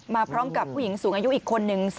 มาพร้อมกับผู้หญิงสูงอายุอีกคนนึง